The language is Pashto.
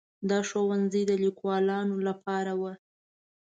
دا ښوونځي د لیکوالانو لپاره وو.